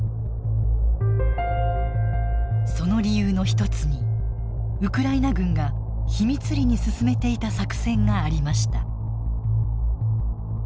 その理由の一つにウクライナ軍が秘密裏に進めていた作戦がありました。